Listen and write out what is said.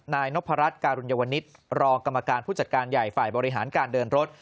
นายนพรัชการุญวนิษฐ์รองกรรมการผู้จัดการใหญ่ฝ่ายบริหารการเดินรถ